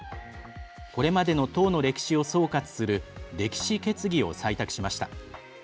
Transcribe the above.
これまでの党の歴史を総括する歴史決議を採択しました。